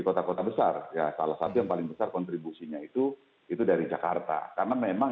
kota kota besar ya salah satu yang paling besar kontribusinya itu itu dari jakarta karena memang